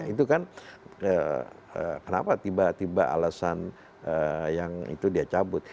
itu kan kenapa tiba tiba alasan yang itu dia cabut